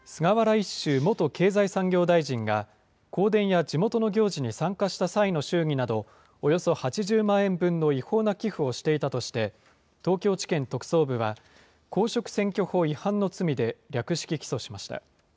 一秀元経済産業大臣が、香典や地元の行事に参加した際の祝儀などおよそ８０万円分の違法な寄付をしていたとして、東京地検特捜部は、公職選挙法違反の罪で略式起訴しました。